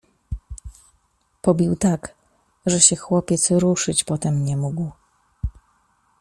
Pobił tak, że się chłopiec ruszyć potem nie mógł.